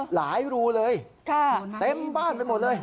รูเลยเต็มบ้านไปหมดเลย